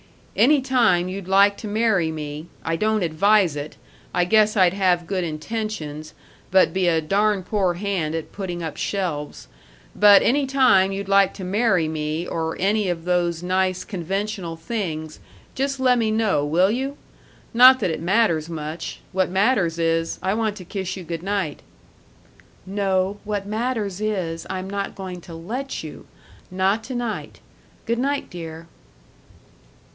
"Any time you'd like to marry me I don't advise it, I guess I'd have good intentions, but be a darn poor hand at putting up shelves but any time you'd like to marry me, or any of those nice conventional things, just lemme know, will you? Not that it matters much. What matters is, I want to kiss you good night." "No, what matters is, I'm not going to let you!... Not to night.... Good night, dear."